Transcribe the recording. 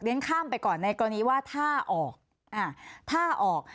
ข้ามไปก่อนในกรณีว่าถ้าออกอ่าถ้าออก